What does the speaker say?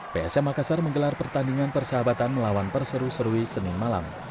psm makassar menggelar pertandingan persahabatan melawan perseru serui senin malam